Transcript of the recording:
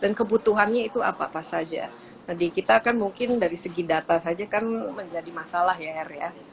dan kebutuhannya itu apa apa saja tadi kita akan mungkin dari segi data saja kan menjadi masalah ya